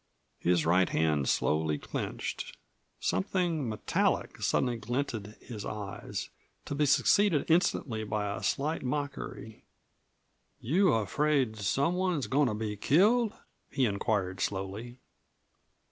His right hand slowly clenched. Something metallic suddenly glinted his eyes, to be succeeded instantly by a slight mockery. "You afraid some one's goin' to be killed?" he inquired slowly.